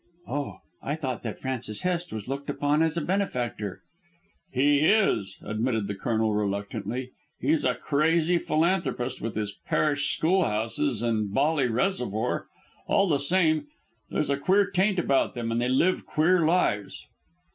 "Oh, I thought that Francis Hest was looked upon as a benefactor?" "He is," admitted the Colonel reluctantly, "he's a crazy philanthropist, with his parish school houses and Bolly Reservoir. All the same, there's a queer taint about them, and they live queer lives."